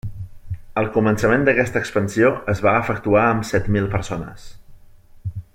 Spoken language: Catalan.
El començament d'aquesta expansió es va efectuar amb set mil persones.